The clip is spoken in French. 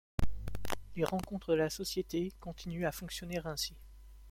Les rencontres de la Société continuent à fonctionner ainsi.